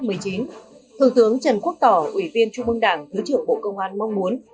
thượng tướng trần quốc tỏ ủy viên trung ương đảng thứ trưởng bộ công an mong muốn